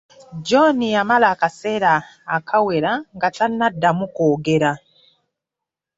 John yamala akaseera akawera nga tanaddamu kwogera.